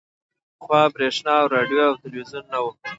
پخوا برېښنا او راډیو او ټلویزیون نه وو